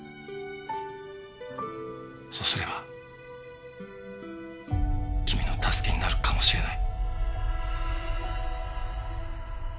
そうすれば君の助けになるかもしれない。